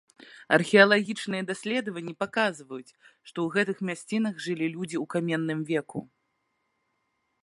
Археалагічныя даследаванні паказваюць, што ў гэтых мясцінах жылі людзі ў каменным веку.